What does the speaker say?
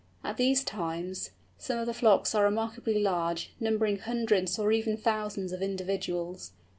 At these times some of the flocks are remarkably large, numbering hundreds or even thousands of individuals.